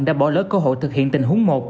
đã bỏ lỡ cơ hội thực hiện tình huống một